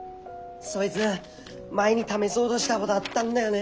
そいづ前に試そうどしたごどあったんだよね。